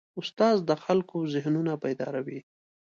استاد د خلکو ذهنونه بیداروي.